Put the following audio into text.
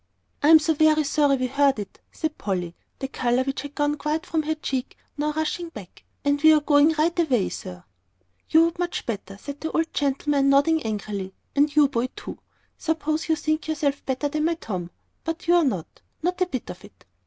"I am so very sorry we heard it," said Polly, the colour which had quite gone from her cheek now rushing back. "And we are going right away, sir." "You would much better," said the old man, nodding angrily. "And you, boy, too; I suppose you think yourself better than my Tom. But you are not not a bit of it!"